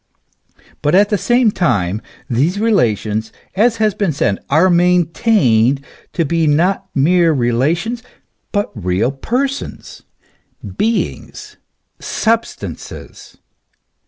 But at the same time these relations, as has been said, are maintained to be not mere relations, but real persons, beings, substances.